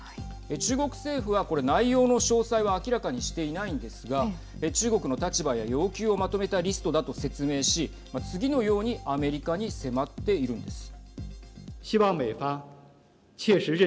中国政府は、これ、内容の詳細は明らかにしていないんですが中国の立場や要求をまとめたリストだと説明し次のようにアメリカに迫っているんです。